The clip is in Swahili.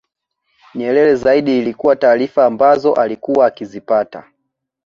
Nyerere zaidi ilikuwa taarifa ambazo alikuwa akizipata